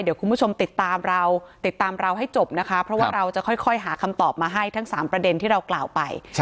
เดี๋ยวคุณผู้ชมติดตามเราติดตามเราให้จบนะคะเพราะว่าเราจะค่อยหาคำตอบมาให้ทั้ง๓ประเด็นที่เรากล่าวไป